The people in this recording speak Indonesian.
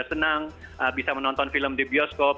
senang bisa menonton film di bioskop